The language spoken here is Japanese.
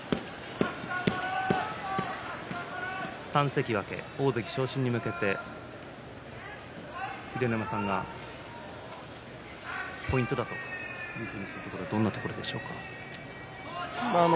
３関脇、大関昇進に向けて秀ノ山さんがポイントだとするところはどういうところですか？